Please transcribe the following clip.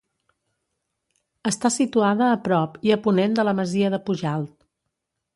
Està situada a prop i a ponent de la masia de Pujalt.